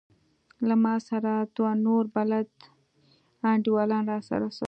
له ما سره دوه نور بلدي انډيوالان راسره سول.